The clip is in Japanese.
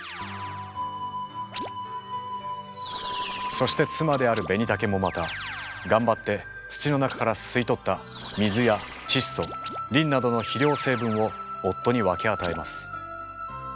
そして妻であるベニタケもまた頑張って土の中から吸い取った水や窒素リンなどの肥料成分を夫に分け与えます。